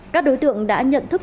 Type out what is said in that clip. các đối tượng đã nhận thức